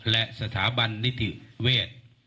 และสถาบันนิติเวศ